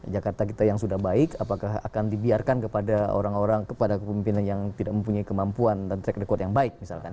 jakarta kita yang sudah baik apakah akan dibiarkan kepada orang orang kepada kepemimpinan yang tidak mempunyai kemampuan dan track record yang baik misalkan